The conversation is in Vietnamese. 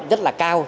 rất là cao